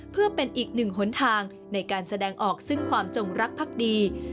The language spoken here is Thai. เพื่อเป็นอีกหนึ่งหนทางในการแสดงออกซึ่งความจงรักภักดี